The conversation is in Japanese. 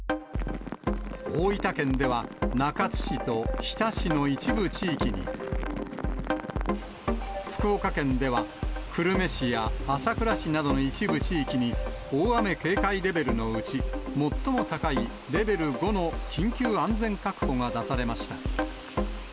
大分県では中津市と日田市の一部地域に、福岡県では久留米市や朝倉市などの一部地域に大雨警戒レベルのうち、最も高いレベル５の緊急安全確保が出されました。